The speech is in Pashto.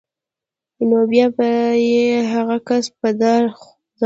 نو بیا به یې هغه کس په دار ځړاوه